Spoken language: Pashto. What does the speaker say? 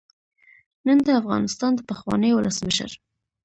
نن د افغانستان د پخواني ولسمشر